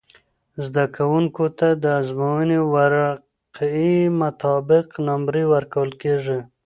زده کوونکو ته د ازموينې ورقعی مطابق نمرې ورکول کیږی